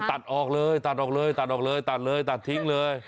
ตัดออกเลยตัดออกเลยตัดออกเลยตัดเลยตัดทิ้งเลย